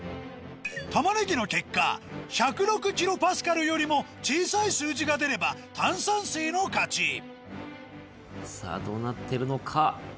タマネギの結果１０６キロパスカルよりも小さい数字が出れば炭酸水の勝ちさぁどうなってるのか？